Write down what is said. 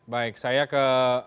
baik saya ke